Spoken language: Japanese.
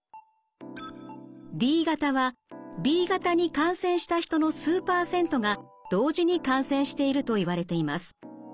Ｄ型はＢ型に感染した人の数％が同時に感染しているといわれています。